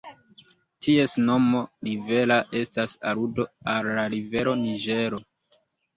Ties nomo "Rivera" estas aludo al la rivero Niĝero.